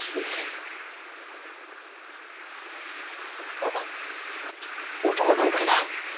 あっ音がないからだ。